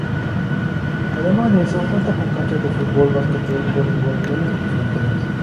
Además de eso, cuenta con canchas de fútbol, basquetbol, voleibol, tenis, y frontenis.